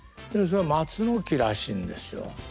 それは松の木らしいんですよ。